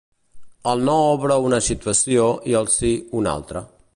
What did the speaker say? El no obre una situació i el sí, una altra.